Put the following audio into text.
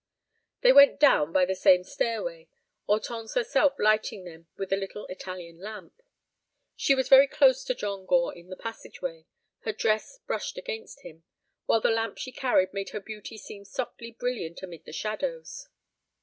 They went down by the same stairway, Hortense herself lighting them with a little Italian lamp. She was very close to John Gore in the passageway. Her dress brushed against him, while the lamp she carried made her beauty seem softly brilliant amid the shadows.